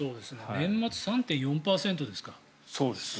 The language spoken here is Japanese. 年末、３．４％ですから。